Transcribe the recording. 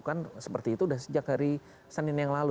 jadi kita melakukan seperti itu sudah sejak hari senin yang lalu